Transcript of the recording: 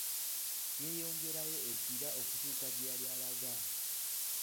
Yeeyongerayo e kira okutuuka gyeyali alaga.